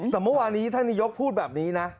แต่เมื่อวานี้ท่านนายกพูดแบบนี้นะ